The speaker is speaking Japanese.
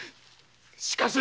しかし。